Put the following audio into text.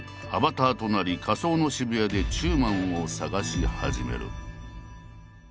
アバターとなり仮想の渋谷で中馬を探し始める。